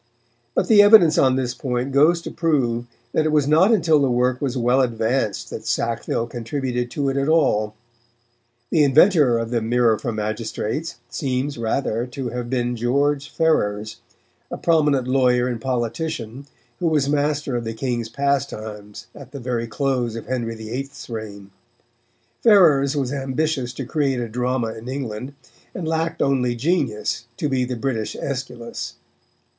But the evidence on this point goes to prove that it was not until the work was well advanced that Sackville contributed to it at all. The inventor of the Mirror for Magistrates seems, rather, to have been George Ferrers, a prominent lawyer and politician, who was master of the King's Pastimes at the very close of Henry VIII.'s reign. Ferrers was ambitious to create a drama in England, and lacked only genius to be the British Aeschylus.